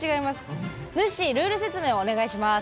ぬっしー、ルール説明お願いします。